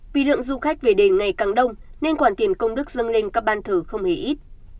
vì lượng du khách về đền ngày càng đông nên quản tiền công đức dâng lên các ban thử không hề ít